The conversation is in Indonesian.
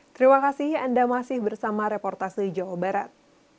terima kasih anda masih bersama reportase jawa barat